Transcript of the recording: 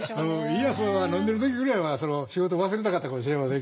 家康は飲んでる時ぐらいは仕事忘れたかったかもしれませんけども。